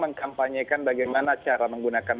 mengkampanyekan bagaimana cara menggunakan